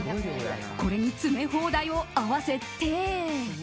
これに詰め放題を合わせて。